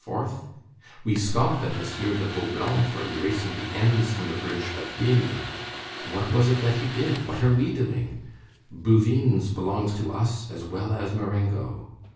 We scoff at M. de Vaublanc for erasing the N's from the bridge of Jena! What was it that he did? What are we doing? Bouvines belongs to us as well as Marengo.